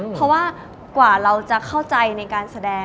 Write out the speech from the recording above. เพราะว่ากว่าเราจะเข้าใจในการแสดง